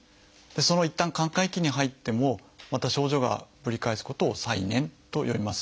いったん寛解期に入ってもまた症状がぶり返すことを「再燃」と呼びます。